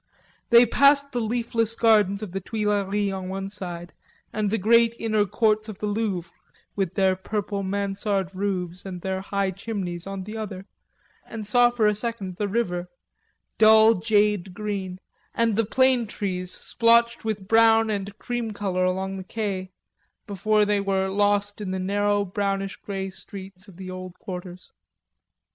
They passed the leafless gardens of the Tuileries on one side, and the great inner Courts of the Louvre, with their purple mansard roofs and their high chimneys on the other, and saw for a second the river, dull jade green, and the plane trees splotched with brown and cream color along the quais, before they were lost in the narrow brownish grey streets of the old quarters.